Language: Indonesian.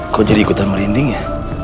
kok jadi ikutan merinding ya